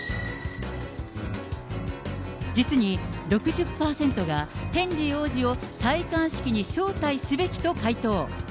実に、６０％がヘンリー王子を戴冠式に招待すべきと回答。